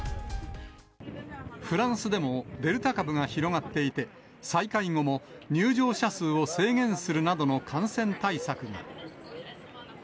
フランスでもデルタ株が広がっていて、再開後も入場者数を制限するなどの感染対策が。